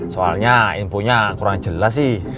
soalnya inpunya kurang jelas sih